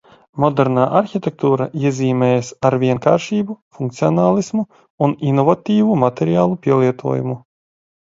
Modernā arhitektūra iezīmējas ar vienkāršību, funkcionālismu un inovatīvu materiālu pielietojumu.